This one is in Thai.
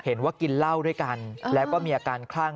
เห็นว่ากินเหล้าด้วยกันแล้วก็มีอาการคลั่ง